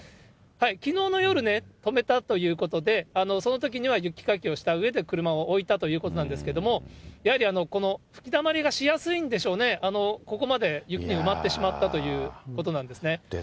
きのうの夜ね、止めたということで、そのときには雪かきをしたうえで、車を置いたということなんですけれども、やはりこの吹きだまりがしやすいんでしょうね、ここまで雪に埋まってしまったということなんですね。